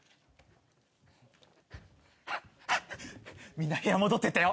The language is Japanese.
みんな部屋戻っていったよ。